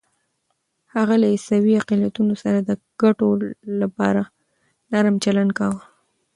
هغه له عیسوي اقلیتونو سره د ګټو لپاره نرم چلند کاوه.